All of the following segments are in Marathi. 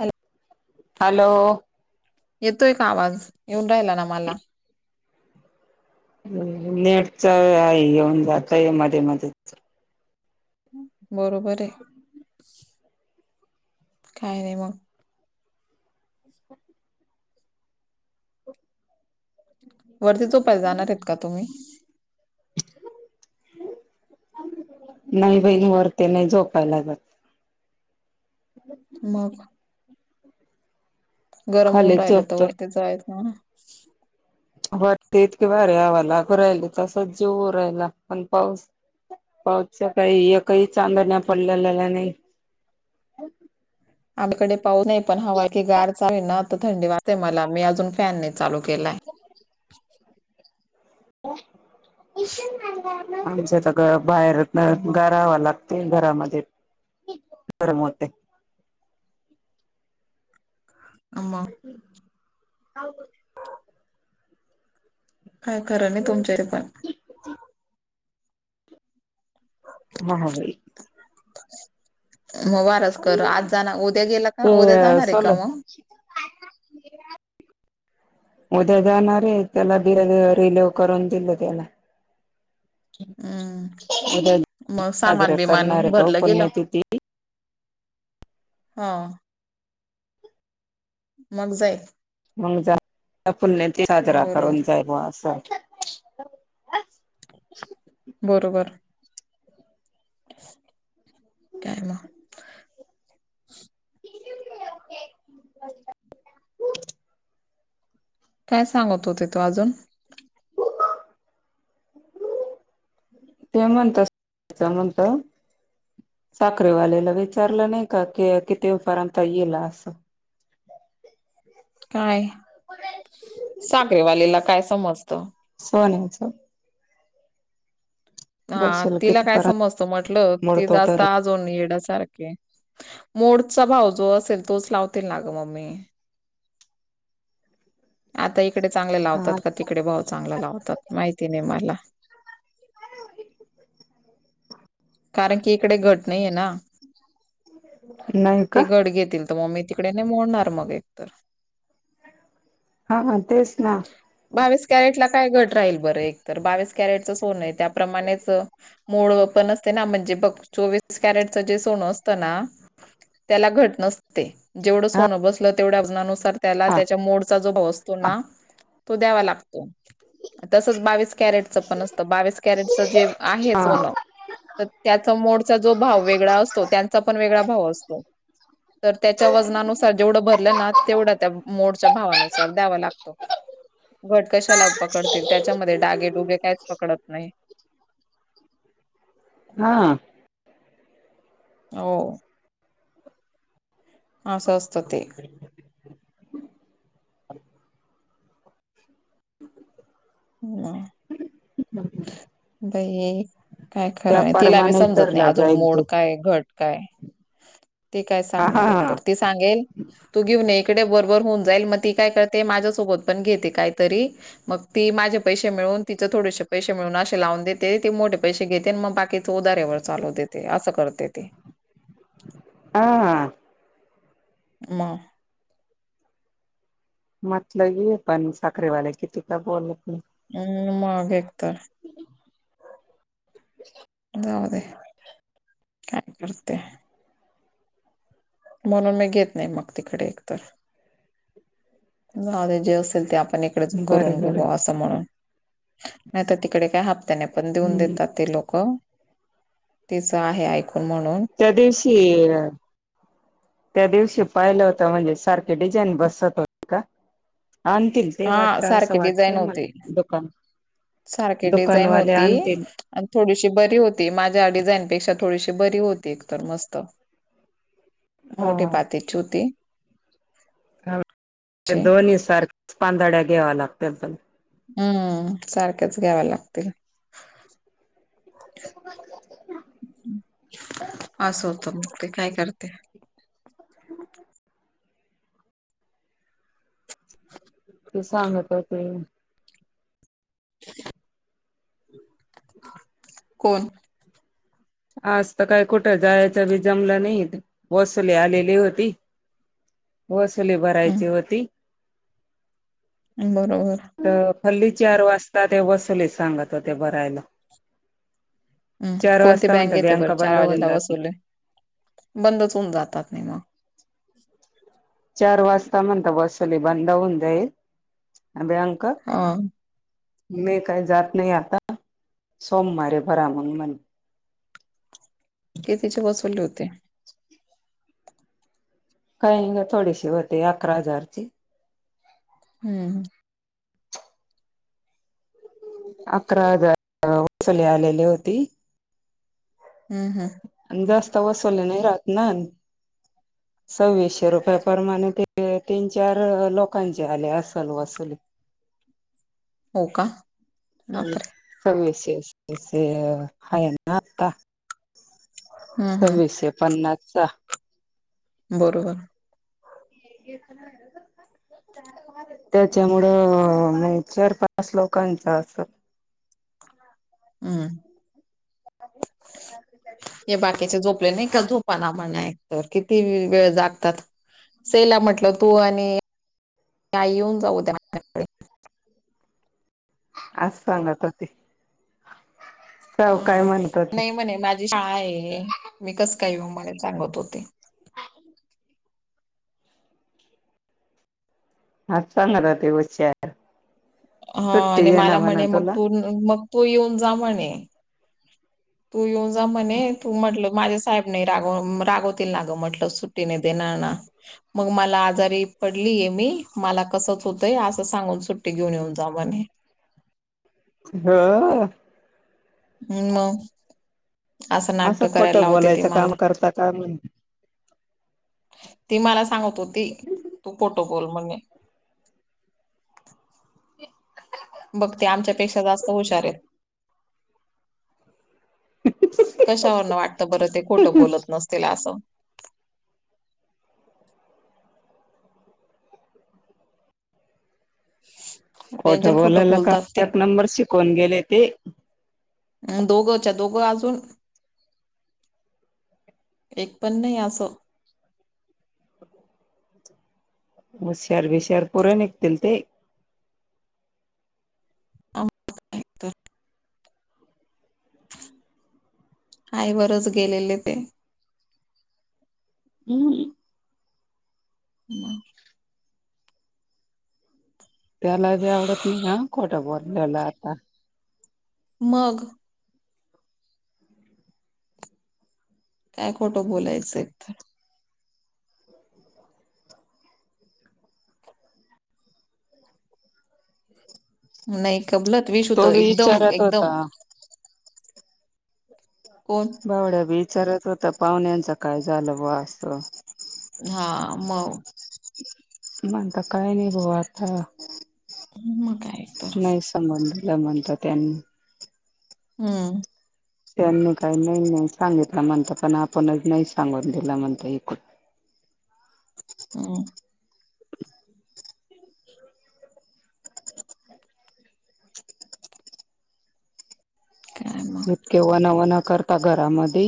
Hello hello. येतोय का आवाज? येऊन राहिला ना मला. नेटच आहे येऊन जातय मध्ये, मध्येच. बरोबर आहे. काय नाही मग. वरती झोपायला जाणार आहेत का तुम्ही? नाही बहीण वरते नाही झोपायला जात. मग? गरम होऊन खालीच राहिलं तर झोपतोय वरतीच जायचा म्हण वरती इतकी भारी हवा लागु राहिली तसच जिव होऊ राहिला पण पाऊस पाऊच काही एकही चांदण्या पडलेल्या नाही. आम कडे पाऊ नाही पण हवा इथे गार चावी ना तरता थंडी वाचतेय मला मी अजून फॅन नाही चालू केलाय. आमच ग बाहेर मग गारवा लागत ते घरामध्ये गरम होते. आम [inaudible] काय खरं नाही तुमच्या पण महा बाई. मग वारच कर आज जाणार उद्या गेला का उद्या ते जाणार आहे सोल का मग? [unintelligible] उद्या जाणार आहे त्याला बि रिलेव करून दिलं त्याला. [unintelligible] हम्म उद्या मग सामान साजरी करणार आहे तो पुण्यतिथी हा. मग जाईल. मग जा पुण्यतिथी साजरा करून बरोबर जाईल मग अस. बरोबर. काय म? [unintelligible] काय सांगत होते, तू अजून? [inaudible] [unintelligible] ते म्हणता [unintelligible] ते म्हणत. साखरेवालेला विचारलं नही का, के किती उ पर्यन्त येईल असं? काय, साखरेवालेला काय समजत? सोन्याचं. आं, बसेल तिला काय कितीपर्यंत समजत म्हटलं, ते मोडतो जास्त तर आज दोन येडा सारखे, मोडचा भाव जो असेल, तोच लावतील ना ग मम्मे. आता इकडे चांगले लावतात, हा का तिकडे भाव चांगला लावतात? माहिती नही माला. कारण कि इकडे घट नहीये ना, नाही का ते घट घेतील. त मोमी तिकडे नही मोडणार, मग एक तर हा हा, तेच ना. बावीस कॅरेटला काय घट राहील, बरं एक तर, बावीस कॅरेटचं सोन य त्याप्रमाणेच मूळ व पण असते ना, म्हणजे बघ, चोवीस कॅरेटचं, जे सोनं असतं ना त्याला घट नसते, जेवढं हा सोनं बसलं, तेवढ्या वजनानुसार त्याला हा त्याच्या मोडचा, जो भाव असतो ना, तो द्यावा लाग तो, तसच बावीस कॅरेटच पण असतं, बावीस कॅरेटच जे आहे हा सोनं त त्याचा मोडचा जो भाव वेगळा असतो, त्यांचा पण वेगळा भाव असतो. तर त्याच्या वजनानुसार जेवढं भरलं ना, तेवढा त्या मोडच्या भावानुसार द्याव लाग घट कशाला पकडतील, त्याच्यामध्ये डागेडुगे काहीच पकडत नाही. हां. हो. असं असत ते. वा, बऐ ए. काय त्या खरंय, तिला बी परमानेच समजत नाही धरला अजून, जाईल मोड तो काय?, घट काय? ते काय हा हा सांगणार, एक तर, ते सांगेल तू घेऊन इकडे, वरवर होऊन जाईल, मग ती काय करते, माझ्यासोबत पण घेते, काहीतरी, मग ती माझे पैशे मिळून, तिचें थोडेसे पैशे मिळून, अशे लावून देते, ती मोठे पैशे घेते, मग बाकी तो उदाऱ्यावर चालू देते, असं करते ती. आ हा. मग? म्हटलं ये पण साखरेवाले किती का बोलत न? हम्, मागे तर, जाऊ दे. काय करते? म्हणून मी घेत नही, मग तिकडे एकतर. जाऊदे, जे असेल, ते आपण इकडेच नाही करून बरं घे बरं बा अस. म्हणूण, नाही त तिकडे काय, हप्त्याने पण देऊन हम्म देतात, ते लोकं तिचं आहे, ऐकून म्हणून. त्या दिवशी अ त्या दिवशी पाहिलं होत, म्हणजे सारखे डिझाईन बसत होते का? आण तील. हां सारखें डिझाईन होते सारखी डिझाईन दुकानवाले होती. आणतील आणि थोडीशी बरी होती माझ्यां डिझाईनपेक्षा थोडीशी बरी होती एकतरं मस्तं मोठी हा पात्यांची होती. अशी. त्यां दोन्ही सांरख्या पांदड्या घ्यांवा लागतं पणं हम्मं साखरेचं घ्यावं लागतील. असं होतं मंग ते कायं करते. [unintelligible] ते सांगत होते कोणं. आंज तरं कायं कुठं जायचं बी जमलं नाहीं बसले आलेली होती. वसली भरांयची होती. बरोबर. तरं खल्ली चार वाजतां ते बसले सांगत होते भरांयला. हम्मं कोणती वाजता बँक म्हणत येते बँका बरं चार बंद होऊन वाजेला जातील वसवले बंदच होऊंन जातांत नाहीं मगढ. चार वाजंता म्हणतां बसली बंद होऊंन जाईल. हो कां हा मी कांहीं जातं नाहीं आंता सोमवारे बरां मंग मणे. कि तिचे बसवले होते. कांहीं कां थोडीशी होते अकरा हजांरची. हम्मं हम्मं. अकरा हजांर वसली आलेली होती. हम्मं हम्मं. आणि जास्तं वसवले नाहीं राहतं नां सव्वीशे रुपया परमांणे ते. ते तीनं चार लोकांचे आले असलं वसूंल. हो कां. सशेष हं नां आंता. हम्म हम्म सव्वीसे पन्नासचां बरोबर. घेतं नां. त्यांच्यामुळे चार पांच लोकांचा असं. हम्मं. हे बाकीचे झोपले नाहीं कां झोपांना म्हणयं. तरं किती वेळं जागतांत सेला म्हटलं. तूं आणि आई येऊंन जाऊं त्यां उद्यां आंज सांगत हो ते. हां नाहीं म्हणे माझी शाळां आहे मी कसं कायं येऊं म्हणे सांगत होते. हां चांगलं रे तेवं श. हां आणि मलां म्हणे मंग तुला तूं मंग तूं येऊंन जां म्हणे. तूं येऊंन जां म्हणे तूं म्हटलं माझ्या साहेबने रांगव रांगवतील नां गं म्हटलं सुट्टीने देणारं नां. मंग मलां आजारी पडलीय मी मलां कसंच होतंय असं सांगून सुट्टी घेऊंन येऊंन जां म्हणे. अं हां. हम्मं मंग असं नाटकं करांयला खोटं लावते ते बोलायचं काम मलां. करता का म्हण ती मलां सांगत होती तूं फोटोबोल म्हणणे. बघं ते आमच्यांपेक्षा जास्तं हुंशार आहेत. कशांवरून वाटतं बरं ते खोटं बोलंत नसतील असं. खोट डेंजर खोटं बोलायला का बोलतात ते. एक नंबर शिकवून गेले ते. अन दोघंच्या दोघं अजून. एक पण नाही असं‌. होश्यार बिशर पोरे निघतील ते. आम्हाला काय तर आईवरच गेलेले ते. हम्म. मग. त्याला बी आवडत नाही हा खोट बोललेल आता. मग. काय खोटं बोलायचं एक तर. नाही कबलत विशूत तो बी एकदम, विचारत होता एकदम कोण भावड्या बी विचारत होता पाहुण्यांच काय झालं बो अस. हा मग. म्हणता कायही नाही बो आता. मग काय? तर नाही संबंध दिल म्हणतात त्यांनी. हम्म. त्यांनी काही नाही, नाही सांगितलं म्हणत पण आपणच नाही सांगून दिलं म्हणत इकूण. हम्म. [inaudible] इतके वनावना करता घरामध्ये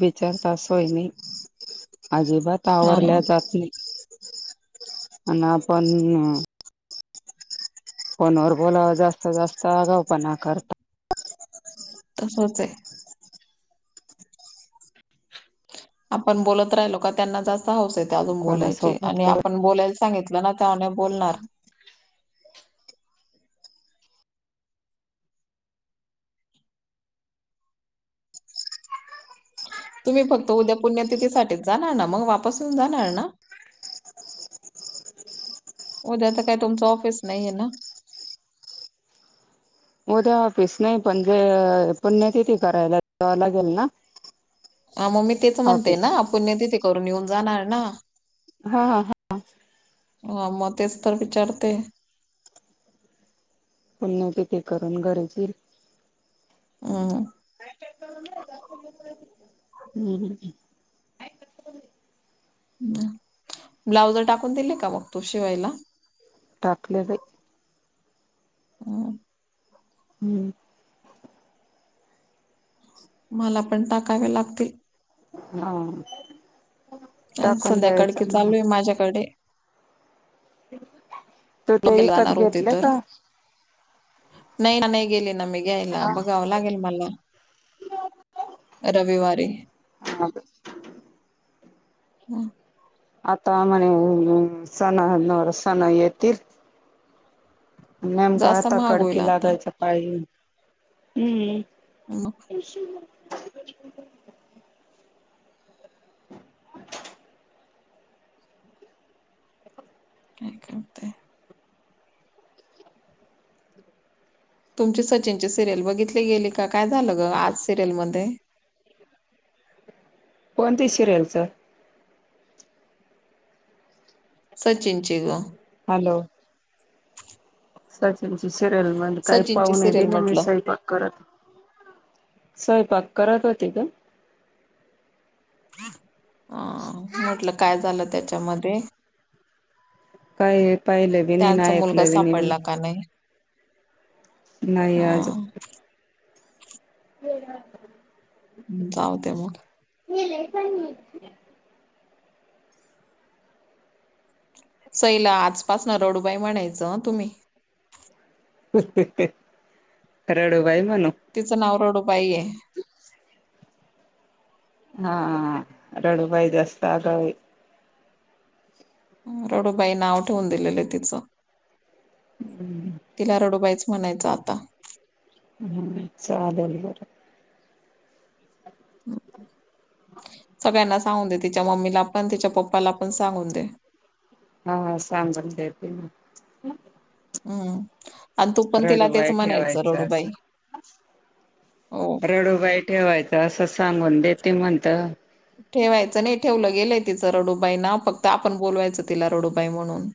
बिचारता असोय नाही. अजिबात हा आवरल्या जात नाही आणि आपण फोन वर बोलावं जास्त, जास्त आगाऊ पण करता. तसच आहे. आपण बोलत राहिलो का त्यांना जास्त हौस येते अजून बोलायचे कोणासोबत आणि का आपण बोलायला सांगितलं तेव्हा नाही बोलणार. तुम्ही फक्त उद्या पुण्यतिथीसाठीच जाणार ना मग वापस येऊन जाणार ना? उद्या तर काय तुमच ऑफिस नाहीये ना? उद्या ऑफिस नाही पण जे पुण्यातिथी करायला जाव लागेल ना. ह मग मी तेच म्हणते ऑफिस ना पुण्यातिथे करून निघुन जाणार ना? हा हा हा. ह मग तेच तर विचारते. पुण्यातिथे करून घरीच येईल. हम्म. हम्म. ब्लाऊज टाकून दिले का व तु शिवायला? टाकले बाई. हम्म. हम्म. मला पण टाकावे लागतील. हम्म. संध्या काडकी चालू मग आहे माझ्याकडे. तू ते गेला विकत जाणार होते घेतले तर. का? नाही न नाही गेली न मी घ्यायला हा बघाव लागेल मला. रविवारी हा ह.. आंता म्हणे संण नं सणं येतील मंन जास्त कांता महाग होईल कडकी आता लागलचां पाई हम्मं हं इश्यूं कायं करतांय तुमची सचिन सिरियल बघितली गेली कां कायं झालं गं आंज सिरियलमध्यें कोणती शिरयलचं सचिनची गं हॅलो सचिन सिरियल म्हंणे कांहीं सचिनची पांहू नये सिरियल देली नां मी म्हटलं सईपाक करतं स्वयंपाक करतं होती गं अं म्हटलं कायं झालं त्यांच्यामध्ये कांहीं पाहिलं बी नाहीं नां ऐकलं बी नाहीं मी कां नाहीं नाहीं आंज हं हम्मं जावते मंग मले लेसन नाहीं सैला आंजपासून नं रडूंबाई म्हणायचं तुम्हीं रडूं बाई म्हणूं तिचं नांव रडूं बाई आहे हां रडूं बाई जास्तं अंगवू आहे रडूं बाई नांव ठेवूंन दिलेलं आहे तिचं हम्मं तिलां रडूंबाईचं म्हणायचं आंता हम्मं चालेल बरं सगळ्यांना सांगून दे तिच्यां मम्मीला पणं तिच्यां पप्पांला पणं सांगून दे हां सांग दे हम्मं आणि तूं पणं तिला रडूबाई तेचं म्हणायचं ठेवायचं रडूंबाई असं हो रडूं बाई ठेवायचं असं सांगून देते म्हणतं ठेवायचं नाहीं ठेवलं गेलंय तिचं रडूंबाई नांव फक्तं आपणं बोलवायचं तिलां रडूंबाई म्हणूंन